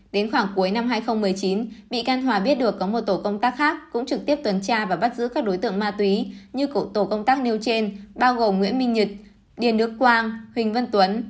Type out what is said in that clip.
đến khoảng cuối năm hai nghìn một mươi chín bị can hòa biết được có một tổ công tác khác cũng trực tiếp tuần tra và bắt giữ các đối tượng ma túy như tổ công tác nêu trên bao gồm nguyễn minh nhật điền đức quang huỳnh văn tuấn